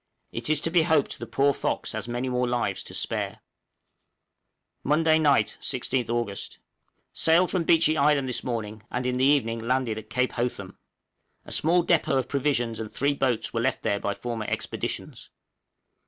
It is to be hoped the poor 'Fox' has many more lives to spare. {CAPE HOTHAM.} Monday night, 16th Aug. Sailed from Beechey Island this morning, and in the evening landed at Cape Hotham. A small depôt of provisions and three boats were left there by former expeditions.